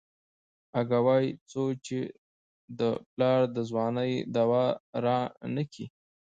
اگه وايي څو چې دې پلار د ځوانۍ دوا رانکي.